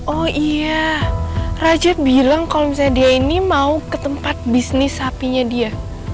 oh iya raja bilang kalau misalnya dia ini mau ke tempat bisnis sapinya dia